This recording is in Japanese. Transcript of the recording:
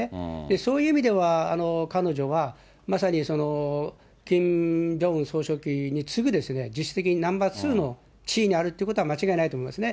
そういう意味では、彼女がまさにキム・ジョンウン総書記に次ぐ、実質的にナンバー２の立場にあるのは間違いないと思いますね。